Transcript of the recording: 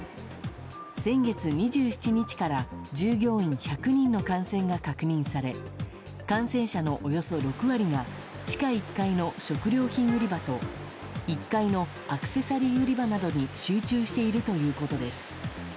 先月２７日から従業員１００人の感染が確認され感染者のおよそ６割が地下１階の食料品売り場と１階のアクセサリー売り場などに集中しているということです。